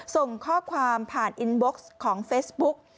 ส่งข้อความผ่านอินบ็อกซ์ของเฟซบุ๊ก